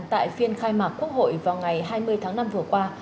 tại phiên khai mạc quốc hội vào ngày hai mươi tháng năm vừa qua